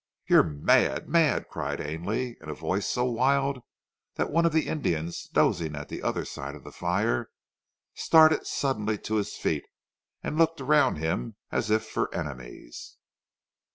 You are mad! mad!" cried Ainley in a voice so wild that one of the Indians, dozing at the other side of the fire, started suddenly to his feet, and looked around him as if for enemies.